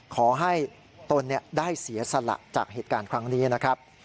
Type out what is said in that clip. ขอให้ตนได้เสียสละจากเหตุการณ์ครั้งนี้นะครับ